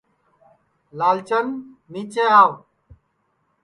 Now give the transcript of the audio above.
لال چند نِیچے آو